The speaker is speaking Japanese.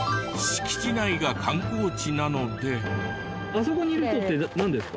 あそこにいる人ってなんですか？